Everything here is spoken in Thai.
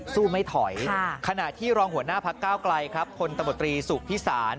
ไม่ถอยขณะที่รองหัวหน้าพักก้าวไกลครับพลตบตรีสุพิสาร